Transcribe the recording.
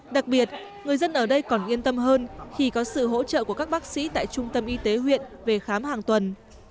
đặc biệt người dân ở đây còn yên tâm hơn khi có sự hỗ trợ của các bác sĩ tại trung tâm y tế huyện về khám hàng tuần